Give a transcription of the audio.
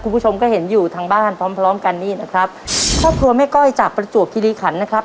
คุณผู้ชมก็เห็นอยู่ทางบ้านพร้อมพร้อมกันนี่นะครับครอบครัวแม่ก้อยจากประจวบคิริขันนะครับ